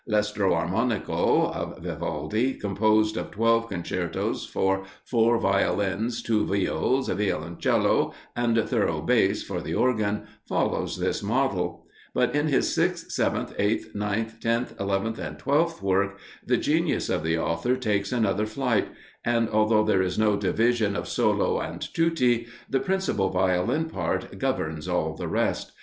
"L'Estro Armonico" of Vivaldi, composed of twelve concertos for four Violins, two Viols, Violoncello, and Thorough Bass for the Organ, follows this model; but in his sixth, seventh, eighth, ninth, tenth, eleventh and twelfth work, the genius of the author takes another flight, and although there is no division of solo and tutti, the principal Violin part governs all the rest.